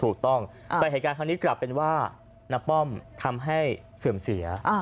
ถูกต้องแต่เหตุการณ์ครั้งนี้กลับเป็นว่าน้าป้อมทำให้เสื่อมเสีย